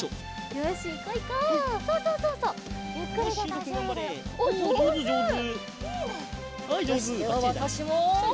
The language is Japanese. よしではわたしも。